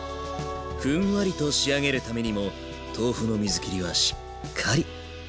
ふんわりと仕上げるためにも豆腐の水切りはしっかり。